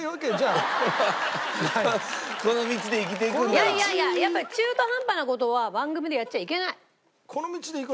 いやいやいややっぱり中途半端な事は番組でやっちゃいけない。